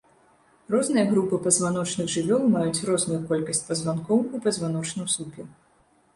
Розныя групы пазваночных жывёл маюць розную колькасць пазванкоў у пазваночным слупе.